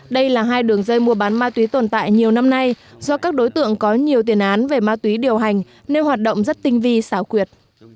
đây là hai đường dây mua bán ma túy tồn tại nhiều năm nay do các đối tượng có nhiều tiền án về ma túy điều hành nên hoạt động rất tinh vi xảo quyệt